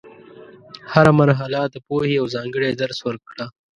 هره مرحله د پوهې یو ځانګړی درس ورکړه.